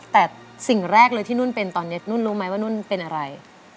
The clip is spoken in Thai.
แต่สิ่งแรกเลยที่นุ่นเป็นตอนนี้นุ่นรู้ไหมว่านุ่นเป็นอะไร